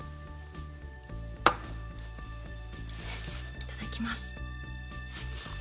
いただきます。